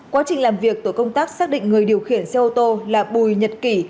quá trình làm việc tổ công tác xác định người điều khiển xe ô tô là bùi nhật kỷ